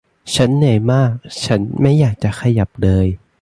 ฉันเหนื่อยมากฉันไม่อยากจะขยับเลย